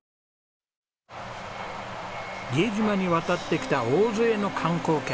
伊江島に渡ってきた大勢の観光客。